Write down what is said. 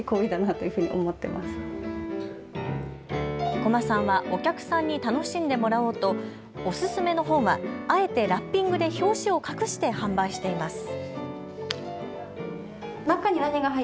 生駒さんはお客さんに楽しんでもらおうとおすすめの本はあえてラッピングで表紙を隠して販売しています。